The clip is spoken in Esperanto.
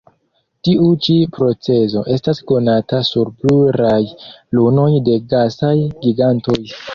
Tiu ĉi procezo estas konata sur pluraj lunoj de gasaj gigantoj.